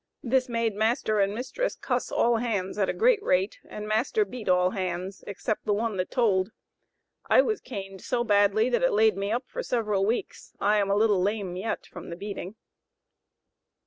This made master and mistress 'cuss' all hands at a great rate, and master beat all hands except the one that told. I was caned so badly that it laid me up for several weeks. I am a little lame yet from the beating."